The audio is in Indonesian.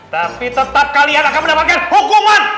tapi tetap kalian akan mendapatkan hukuman